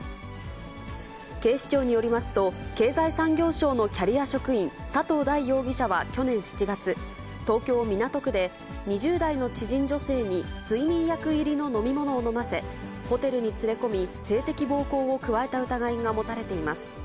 警視庁によりますと、経済産業省のキャリア職員、佐藤大容疑者は去年７月、東京・港区で、２０代の知人女性に睡眠薬入りの飲み物を飲ませ、ホテルに連れ込み、性的暴行を加えた疑いが持たれています。